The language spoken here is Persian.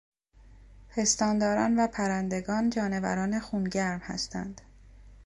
پستانداران و پرندگان جانوران خونگرم هستند.